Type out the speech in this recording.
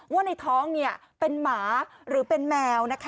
ว่าในท้องเป็นหมาหรือเป็นแมว